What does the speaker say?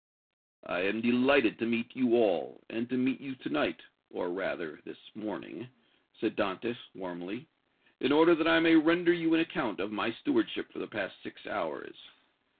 "I am delighted to meet you all, and to meet you to night, or, rather, this morning," said Dantès, warmly, "in order that I may render you an account of my stewardship for the past six hours.